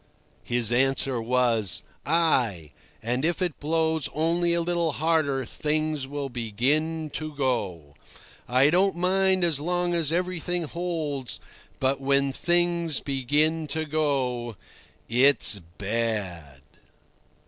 His answer was: "Ay, and if it blows only a little harder things will begin to go. I don't mind as long as everything holds, but when things begin to go it's bad."